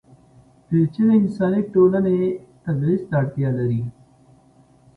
پېچلې انساني ټولنې تبعیض ته اړتیا لري.